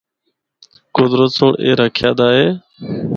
قدرت سنڑ اے رکھیا دا اے۔